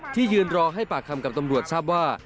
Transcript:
ยืนรอให้ปากคำกับตำรวจทราบว่า